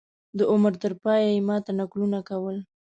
د عمر تر پایه یې ما ته نکلونه کول.